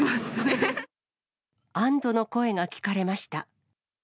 安どの声が聞かれました。